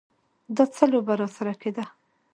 دا څه لوبه راسره کېده.